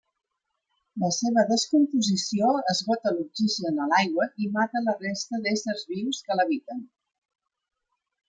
La seva descomposició esgota l'oxigen a l'aigua i mata la resta d'éssers vius que l'habiten.